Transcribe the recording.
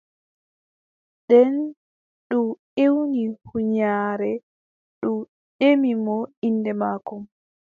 Nden ndu ewni huunyaare ndu ƴemi mo innde maako.